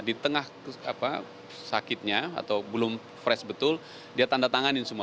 di tengah sakitnya atau belum fresh betul dia tanda tanganin semua